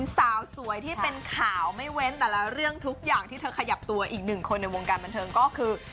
สาวสวยที่เป็นข่าวไม่เว้นแต่ละเรื่องทุกอย่างที่เธอขยับตัวอีกหนึ่งคนในวงการบันเทิงก็คือ